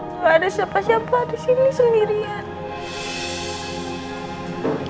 kalau ada siapa siapa di sini sendirian